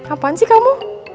apaan sih kamu